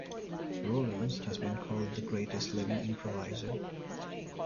Rollins has been called the greatest living improviser.